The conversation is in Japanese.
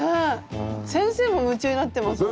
先生も夢中になってますもん。